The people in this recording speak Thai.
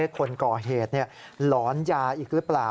คนก่อเหตุหลอนยาอีกหรือเปล่า